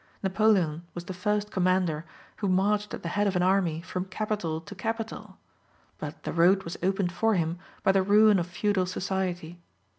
Napoleon was the first commander who marched at the head of an army from capital to capital, but the road was opened for him by the ruin of feudal society.